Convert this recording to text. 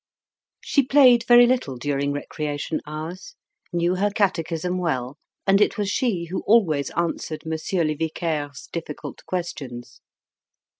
She played very little during recreation hours, knew her catechism well, and it was she who always answered Monsieur le Vicaire's difficult questions.